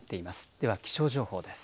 では、気象情報です。